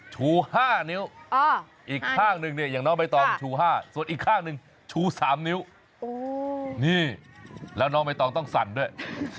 ชู๕นิ้วอีกข้างหนึ่งเนี่ยอย่างน้องใบตองชู๕ส่วนอีกข้างหนึ่งชู๓นิ้วนี่แล้วน้องใบตองต้องสั่นด้วย